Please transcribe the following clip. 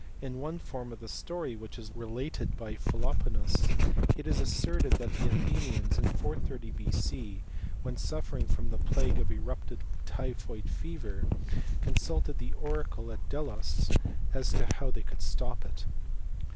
In one form of the story, which is related by Philoponus, it is asserted that the Athenians in 430 B.C., wnen suffering from the plague of eruptive typhoid fever, consulted the oracle at Delos as to how they could stop it.